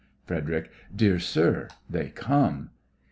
FREDERIC: Dear, sir, they come.